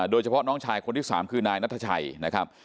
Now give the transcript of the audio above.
โดยเฉพาะน้องชายคนที่๓คือนายนัทชัยนะครับ